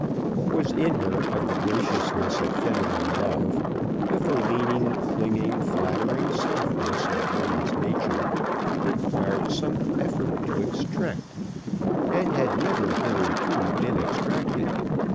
What was in her of the graciousness of feminine love, of the leaning, clinging, flattering softness of woman's nature, required some effort to extract, and had never hitherto been extracted.